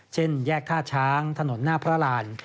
เช่นแยกท่าช้างถนนหน้าพระราน